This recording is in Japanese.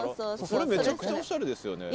それめちゃくちゃおしゃれですよね。